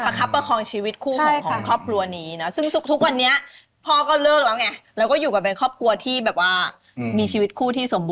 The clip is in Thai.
ไม่ต้องเดินทางไปไหนแหม